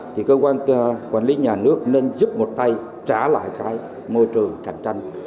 thì cơ quan quản lý nhà nước nên giúp một tay trả lại cái môi trường cạnh tranh thật sự bình đẳng lan mạnh